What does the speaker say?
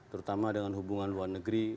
terutama dengan hubungan luar negeri